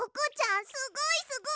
すごいすごい！